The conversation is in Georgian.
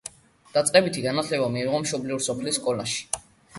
დაწყებითი განათლება მიიღო მშობლიური სოფლის სკოლაში.